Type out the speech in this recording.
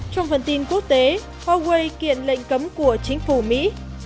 trong phần tin quốc tế huawei kiện lệnh cấm của chính phủ mỹ